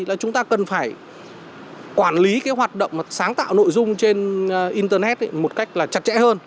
là chúng ta cần phải quản lý cái hoạt động sáng tạo nội dung trên internet một cách là chặt chẽ hơn